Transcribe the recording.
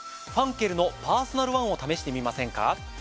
ファンケルのパーソナルワンを試してみませんか？